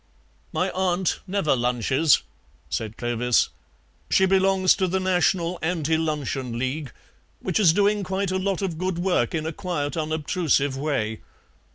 "My aunt never lunches," said Clovis; "she belongs to the National Anti Luncheon League, which is doing quite a lot of good work in a quiet, unobtrusive way.